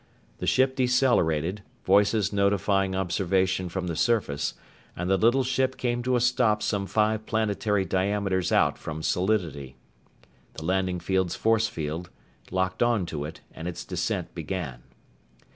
The ship decelerated, voices notifying observation from the surface, and the little ship came to a stop some five planetary diameters out from solidity. The landing field's force field locked on to it, and its descent began.